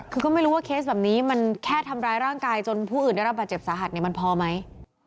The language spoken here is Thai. คือก็ไม่รู้ว่าเคสแบบนี้มันแค่ทำร้ายร่างกายจนผู้อื่นได้รับบาดเจ็บสาหัสเนี่ยมันพอไหม